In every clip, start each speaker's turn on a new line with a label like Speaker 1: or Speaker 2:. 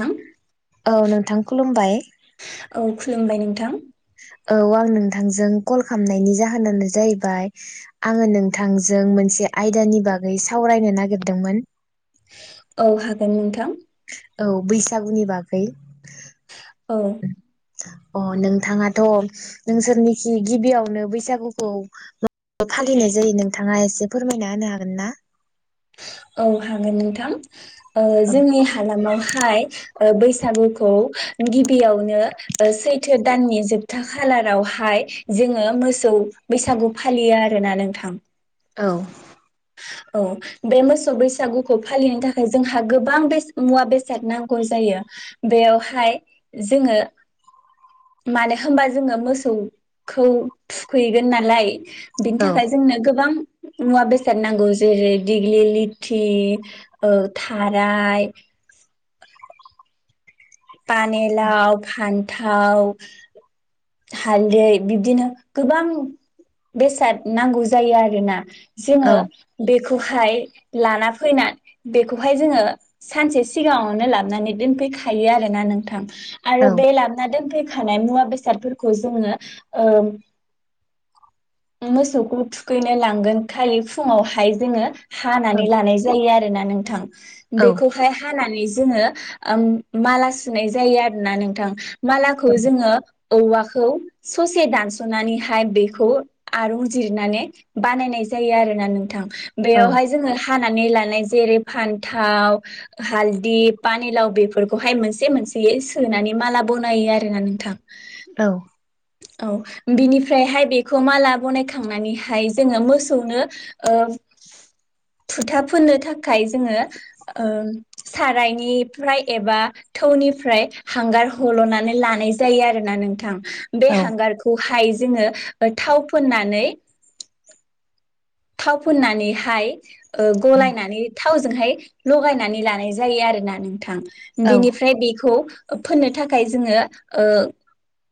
Speaker 1: थां
Speaker 2: औ नोंथां खुलुमबाय । [unintelligible]
Speaker 1: औ खुलुमबाय नोंथां
Speaker 2: औ आं नोंथांजों कल खालामनायनि जाहोनानो जाहैबाय आङो नोंथांजों मोनसे आयदानि बागै सावरायनो नागिरदोंमोन ।
Speaker 1: औ हागोन नोंथां
Speaker 2: औ बैसागुनि बागै
Speaker 1: औ
Speaker 2: अ नोंथाङाथ' नोंसोरनिखि गिबियावनो बैसागुखौ मा फालिनाय जायो नोंथाङा एसे फोरमायना होनो हागोन ना?
Speaker 1: औ हागोन नोंथां ओ
Speaker 2: औ
Speaker 1: जोंनि हालामाव हाय ओ बैसागुखौ गिबियावनो ओ सैथ्र' दाननि जोबथा खालारावहाय जोङो मोसौ बैसागु फालियो आरोना नोंथां ।
Speaker 2: औ
Speaker 1: औ बे मोसौ बैसागुखौ फालिनो थाखाय जोंहा गोबां बे मुवा-बेसाद नांगौ जायो बेयावहाय जोङो मानो होनबा जोङो मोसौखौ थुखैगोन नालाय बिनि थाखाय
Speaker 2: औ
Speaker 1: जोंनो गोबां मुवा बेसाद नांगौ जेरै दिग्लि लिथि ओ थाराय पानि लाव फानथाव हालदै बिब्दिनो गोबां बेसाद नांगौ जायो आरोना । जोङो बे बेखौहाय लाना फैनानै बेखौहाय जोङो सानसे सिगाङावनो लाबोनानै दोनफैखायो आरो ना नोंथां
Speaker 2: औ
Speaker 1: आरो बे लाबोना दोनफै खानाय मुवा बेसादफोरखौ जोङो ओ मोसौखौ थुखैनो लांगोन खालि फुङावहाय जोङो हानानै लानाय जायो आरो आरो ना नोंथां
Speaker 2: औ
Speaker 1: बेखौहाय हानानै जोङो ओ माला सु सुनाय जायो आरोना नोंथां मालाखौ जोङो औवाखौ ससे दानस'नानैहाय बेखौ आरंजिरनानै बानायनाय जायो आरोना नोंथां ।
Speaker 2: औ
Speaker 1: बेयावहाय जोङो खानानै लानाय जेरै फान्थाव हालददि पानिलाव बेफोरखौहाय मोनसे मोनसे मोनसेयै सोनानै माला बनायो आरोना नोंथां
Speaker 2: औ
Speaker 1: औ बिनिफ्रायहाय बेखौ माला बनायखांनानैहाय जोङो मोसौनो ओ फोथा फोननो थाखाय थाखाय जोङो सारायनिफ्राय एबा थौनिफ्राय हांगार हल'नानै लानाय जायो आरोना नोंथां बे
Speaker 2: औ
Speaker 1: हांगारखौ हाय जोङो थाव फुननानै थाव फुननानैहाय गलायनानै थावजोंहाय लगायनानै लानाय जायो आरो ना नोंथां
Speaker 2: औ
Speaker 1: बेनिफ्राय बेखौ फोननो थाखाय जोङो ओ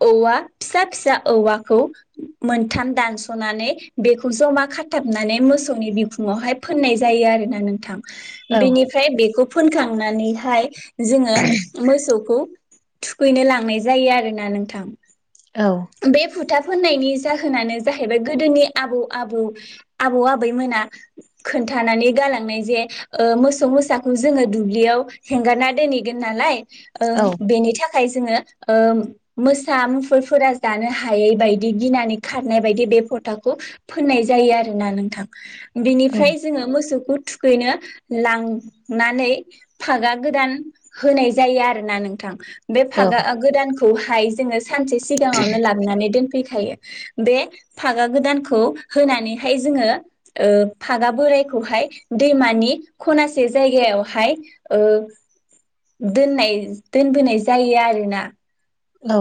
Speaker 1: औवा फिसा फिसा औवाखौ मोनथाम दानस'नानै बेखौ जमा खा थाबनानै मोसौनि बिखुंआवहाय फोननाय जायो आरोना नोंथां बेनिफ्राय बेखौ फोनखांनानैहाय जोङो मोसौखौ थुखैनो लांनाय जायो आरोना नोंथां बे भुथा फोनायनि जाहोनानो जाहैबाय गोदोनि आबौ आबौ आबौ आबैमोना खोन्थानानै गालांनाय जे ओ मोसौ मोसाखौ जोङो दुब्लियाव हेंगारना दोनहैगोन नालाय ओ बेनि थाखाय थाखाय जोङो ओ मोसा मुफुरफोरा जानो हायै बायदि गिनानै खारनाय बायदि बे फोथाखौ फोननाय जायो आरो आरो ना नोंथां
Speaker 2: औ
Speaker 1: बिनिफ्राय जोङो मोसौखौ थुखैनो लांनानै फागा गोदान होनाय जायो आरोना नोंथां बे फागा ओ गोदान खौहाय जोङो सानसे सिगाङावनो लाबोनानै दोन फैखायो बे फागा गोदानखौ होनानै हाय जोङो ओ फागा बोरायखौहाय दैमानि खनासे जायगायावहाय ओ दोननाय दोनबोनाय जायो आरोना
Speaker 2: औ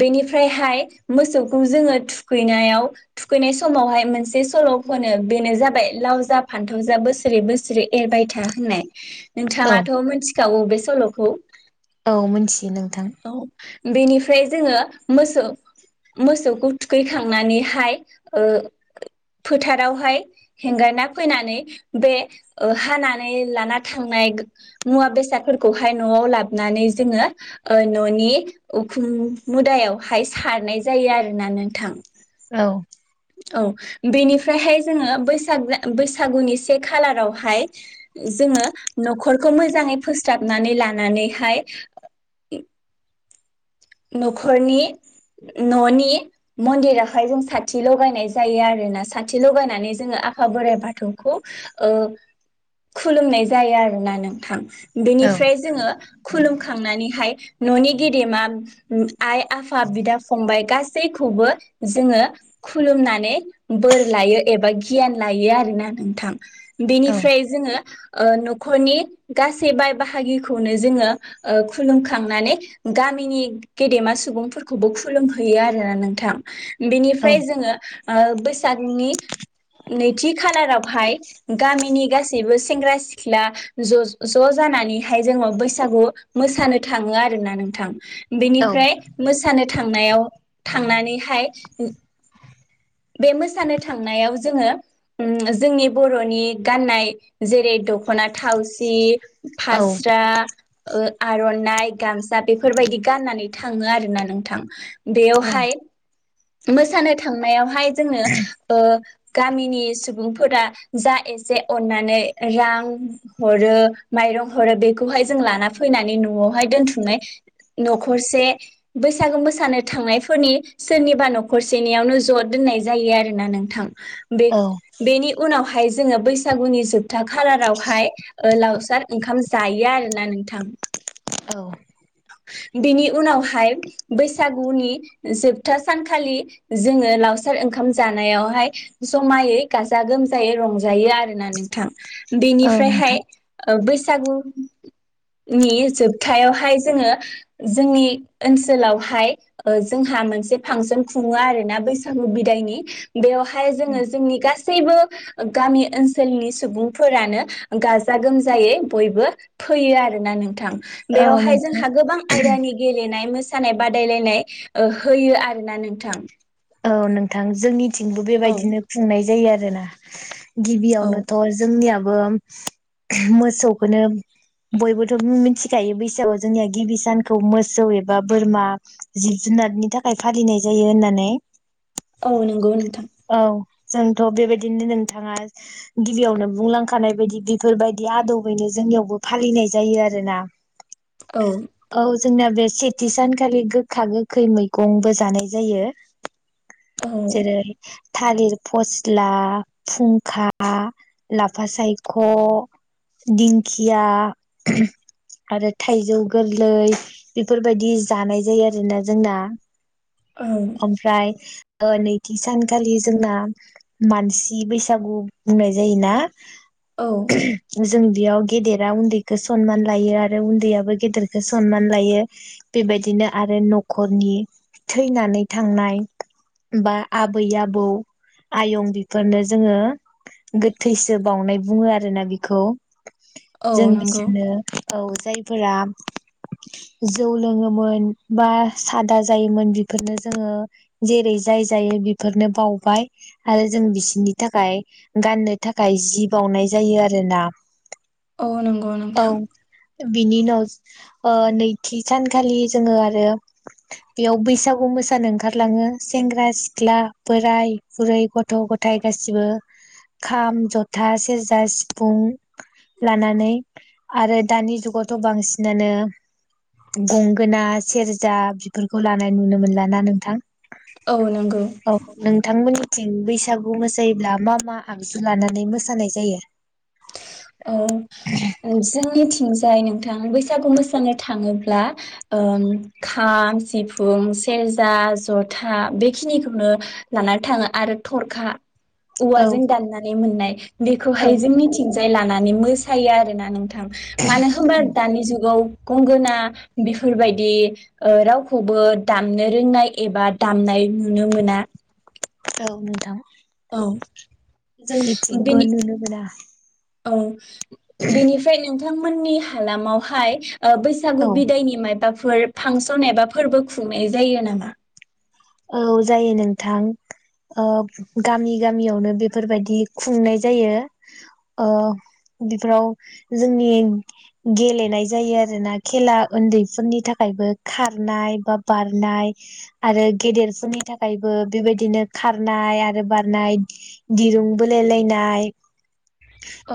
Speaker 1: बेनिफ्रायहाय मोसौखौ जोङो थुखैनायाव थुखैनाय समावहाय मोनसे सल' होनो बेनो जाबाय लाव जा फान्थाव जा बोसोरै बोसोरै एरबाय था होननाय
Speaker 2: औ
Speaker 1: नोंथाङाथ' मिथि गाव बेस सलखौ
Speaker 2: औ मोनथियो नों
Speaker 1: औ बेनिफ्राय जोङो मोसौ मोसौखौ थुखैखांनानैहाय ओ फोथारावहाय हेंगारना फैनानै बे ओ हानानै लाना थांनाय मुवा बेसादफोरखौहाय न'आव लाबोनानै जोङो ओ न'नि उखुम मुदायावहाय सारनाय जायो आरोना नोंथां
Speaker 2: औ
Speaker 1: औ बेनिफ्रायहाय जोङो बैसाग बैसागुनि से खालारावहाय जोङो न'खरखौ मोजाङै फोस्राबनानै लानानैहाय नखरनि ननि मन्दिरावहाय जों साथि लगायनाय जायो आरो ना साथि लगायनानै जोङो आफा बोराइ बाथौखौ ओ खुलुमनाय जायो आरोना नोंथां
Speaker 2: औ
Speaker 1: बेनिफ्राय जोङो खुलुमखांनानैहाय ननि‌ गेदेमा म आइ आफा बिदा फंबाइ गासै खौबो जोङो खुलुमनानै बोर लायो एबा गियान लायो आरोना नोंथां
Speaker 2: औ
Speaker 1: बेनिफ्राय जोङो ओ नखरनि गासै बाय बाहागिखौनो जोङो ओ खुलुमखांनानै गामिनि गेदेमा सुबुंफोरखौबो खुलुमहैयो आरोना नोंथां
Speaker 2: औ
Speaker 1: बिनिफ्राय जोङो ओ बैसागनि नैथि खालारावहाय गामिनि गासैबो सेंग्रा सिख्ला ज' ज' जानानैहाय जोङो बैसागु मोसानो थाङो आरोना नोंथां
Speaker 2: औ
Speaker 1: बेनिफ्राय मोसानो थांनायाव थांनानैहाय ओ बे मोसानो थांनायाव जोङो उम जोंनि बर'नि गाननाय जेरै दख'ना थावसि फास्रा ओ आर'नाइ गामसा बेफोरबायदि गाननानै थाङो आरोना नोंथां
Speaker 2: औ
Speaker 1: बेवहाय मोसानो थांनायाव हाय जोंनो ओ गामिनि सुबुंफोरा जा एसे अननानै रां हरो माइरं हरो बेखौहाय जों लाना फैनानै न'आवहाय दोनथुमनाय नखरसे बैसागु मोसानो थांनायफोरनि सोरनिबा नखरसेनियावनो ज' दोननाय जायो आरोना नोंथां बे
Speaker 2: औ
Speaker 1: बेनि उनावहा हाय जोङो बैसागुनि जोबथा खालारावहाय ओ लावसार ओंखाम जायो आरोना नोंथां
Speaker 2: औ
Speaker 1: बिनि उनावहाय बैसागुनि जोबथा सानखालि जोङो लाव सार ओंखाम जानायावहाय जमायै गाजा गोमजायै रंजायो आरोना नोंथां बेनिफ्रायहाय ओ बैसागुनि जोबथायावहाय जोङो जोंनि ओनसोलावहाय ओ जोंहा मोनसे फांसन खुङो आरोना बैसा गु बिदायनि बेवहाय जोङो जोंनि गासै गासैबो गामि ओनसोलनि सुबुंफोरानो गाजा गोमजायै बयबो फैयो आरोना नोंथां
Speaker 2: औ
Speaker 1: बेवहाय
Speaker 2: नोंथां
Speaker 1: जोंहा गोबां आयदानि गेलेनाय मोसा सानाय बादायलायनाय ओ होयो आरोना नोंथां
Speaker 2: औ नोंथां जोंनि थिंबो
Speaker 1: औ
Speaker 2: बेबायदिनो खुंनाय जायो आरो [unintelligible]
Speaker 1: औ
Speaker 2: गिबियावनोथ' जोंनियाबो बो मोसौखौनो बयबोथ' मि-मिथिखायो बैसागआव जोंनिया गिबि सानखौ मोसौ एबा बोरमा जिब जुनारनि थाखाय फालिनाय जायो होननानै
Speaker 1: औ नंगौ नोंथां
Speaker 2: औ जोंथ' बेबायदिनो नोंथाङा गिबियावनो बुंलांखानाय बायदि बेफोरबायदि आदबैनो जोंनियावबो फालिनाय जायो आरो ना
Speaker 1: औ
Speaker 2: औ जोंनि बेस सेथि सानखालि गोखा गोखै मैगंबो जानाय जायो
Speaker 1: औ
Speaker 2: जेरै थालिर फस्ला फुंखा लाफा सायख' दिंखिया आरो थाइजौ गोरलै बेफोरबायदि जानाय जायो आरोना जोंना
Speaker 1: औ
Speaker 2: ओमफ्राय ओ नैथि सान खालि जोंना मानसि बैसागु बुंनाय जायोना
Speaker 1: औ
Speaker 2: जो जों बेयाव गेदेरा उन्दैखौ सनमान लायो आरो उन्दैयाबो गेदेरखौ सनमान लायो बेबायदिनो आरो न'खरनि थैनानै थांनाय बा आद आबै आबौ आयं बेफोरनो जोङो गोथैसो बावउनाय बुङो आरोना बेखौ
Speaker 1: औ
Speaker 2: जों
Speaker 1: नंगौ
Speaker 2: बिसोरनो औ जायफोरा जौ लोङोमोन बा सादा जायोमोन बेफोरनो जोङो जेरै जाय जायो बिफ फोरनो बावबाय आरो जों बिसिनि थाखाय गाननो थाखाय जि बावउनाय जायो आरोना
Speaker 1: औ नंगौ
Speaker 2: औ
Speaker 1: नोंथां
Speaker 2: बिनि उनाव ओ नैथि सानखालि जोङो आरो बेयाव बैसागु मोसानो ओंखारलाङो सेंग्रा सिख्ला बोराय बुरै गथ' गथाय गासिबो खाम जथा सेरजा सिफुं लानानै आरो दानि जुगावथ' बांसिनानो गंगोना सेरजा बेफोरखौ लानाय नुनो मोनला ना नोंथां
Speaker 1: औ नंगौ
Speaker 2: औ नोंथांमोननि थिं बैसागु मोसायोब्ला मा मा आगजु लानानै मोसानाय जायो
Speaker 1: औ ओ जोंनिथिंजाय नोंथां बैसागु मोसानो थाङोब्ला ओम खाम सिफुं सेरजा जथा बेखिनिखौनो लानानै थाङो आरो थरखा
Speaker 2: औ
Speaker 1: औवाजों दाननानै मोननाय
Speaker 2: औ
Speaker 1: बेखौहाय जोंनिथिं जाय लानानै मोसायो आरो ना नोंथां थां मानो होमबा दानि जुगाव गंगोना बेफोरबायदि ओ रावखौबो दामनो रोंनाय एबा दामनाय नुनो मोना
Speaker 2: औ नोंथां
Speaker 1: औ
Speaker 2: जोंनिथिंबो
Speaker 1: बेनि
Speaker 2: नुनो मोना
Speaker 1: औ बेनिफ्राय नों बिथांमोननि हालामावहाय बैसागु
Speaker 2: औ
Speaker 1: बिदायनि माइबा फोर फांसन एबा फोरबो खुंनाय जायो नामा
Speaker 2: औ जायो नोंथां ओ गामि गामियावनो बेफोरबायदि खुंनाय जायो ओ बेफोराव जोंनि गेलेनाय जायो आरोना खेला उन्दैफोरनि थाखायबो खारनाय बा बारनाय आरो गेदेरफोरनि थाखायबो बेबायदिनो खारनाय आरो बारनाय दिरुं बोलायलायनाय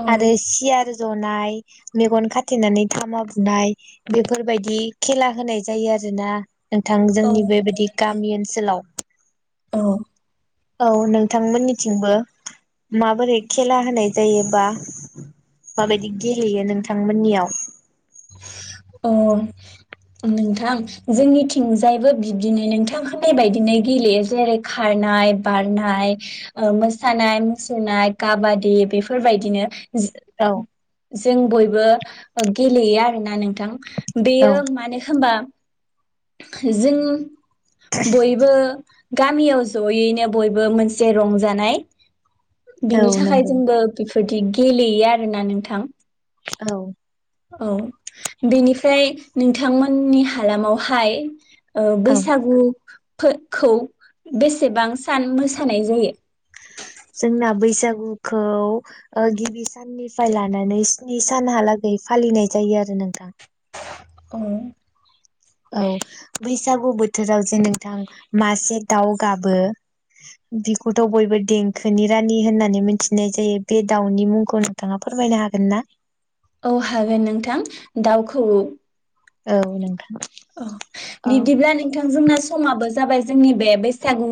Speaker 1: औ
Speaker 2: आरो सियार जनाय मेगन खाथेनानै थामा बुनाय बेफोरबायदि खेला होनाय जायो आरोना नोंथां
Speaker 1: औ
Speaker 2: जोंनि बेबायदि गाब गामि ओनसोलाव
Speaker 1: औ
Speaker 2: औ नोंथांमोननिथिंबो माबोरै खेला होनाय जायोबा माबायादि गेलयो नों थांमोननियाव
Speaker 1: अ नोंथां जोंनिथिंजायबो बिब्दिनो नोंथां होनानाय बिदिनो गेलेयो जेरै खारनाय बारनाय ओ मोसानाय मुसुरनाय काबादि बेफोरबायदिनो
Speaker 2: औ
Speaker 1: [unintelligible] जों बयबो ओ गेलेयो आरोना नों थां
Speaker 2: औ
Speaker 1: बेयो मानो होनबा जों बयबो गामियाव जयैनो बयबो मोनसे रंजानाय
Speaker 2: औ
Speaker 1: बिनि थाखाय
Speaker 2: नंगौ
Speaker 1: जोंबो बिफोर दि गेलेयो आरोना नोंथां
Speaker 2: औ
Speaker 1: औ बेनिफ्राय नोंथांमोननि हालामावहाय ओ
Speaker 2: औ
Speaker 1: बैसागु खो-खौ बेसेबां सान मोसानाय जायो
Speaker 2: जोंना बैसागुखौ ओ गिबि साननिफ्राय लानानै स्नि सानहालागै फालिनाय जायो आरो नोंथां
Speaker 1: उम
Speaker 2: औ बैसागु बोथोराव जे नोंथां मासे दाउ गाबो बेखौथ' बयबो देंखोनि रानि होननानै मिथिनाय जायो बे दाउनि मुंखौ नोंथाङा फोरमायनो हागोन ना
Speaker 1: औ हागोन नोंथां दाउ खौऔ
Speaker 2: औ नोंथां
Speaker 1: अ
Speaker 2: औ
Speaker 1: बिब्दिब्ला नोंथां जोंना समाबो जाबाय जोंनि बे बैसागु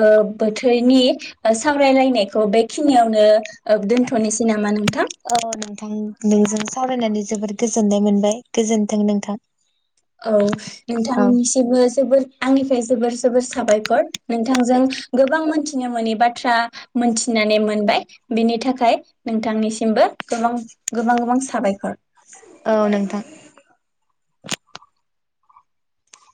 Speaker 1: ओ बोथोरनि ओ सावरायलायनायखौ बेखिनियावनो ओ दोनथ'नोसै नामा नोंथां
Speaker 2: औ नोंथां नोंजों सावरायनानै जोबोद गोजोननाय मोनबाय गोजोनथों नोंथां
Speaker 1: औ
Speaker 2: औ
Speaker 1: नोंथांनिसिबो जोबोर आंनिफ्राय जोबोर जोबोर साबायखर नोंथांजों गोबां मोनथिनो मोनोनि बाथ्रा मोनथिनानै मोनबाय बेनि थाखाय नोंथांनिसिमबो गोबां गोबां गोबां साबायखर
Speaker 2: औ नोंथां